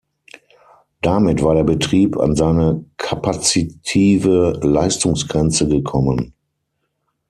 Damit war der Betrieb an seine kapazitive Leistungsgrenze gekommen.